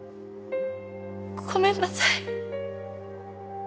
ごめんなさい。